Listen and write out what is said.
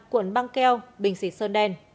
cuộn băng keo bình xịt sơn đen